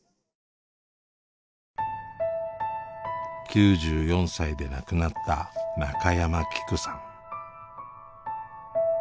９４歳で亡くなった中山きくさん。